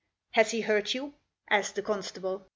" Has he hurt you ?" asked the constable.